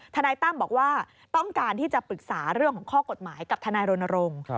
นายตั้มบอกว่าต้องการที่จะปรึกษาเรื่องของข้อกฎหมายกับทนายรณรงค์